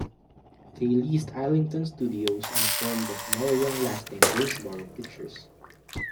They leased Islington Studios and formed the more long-lasting Gainsborough Pictures.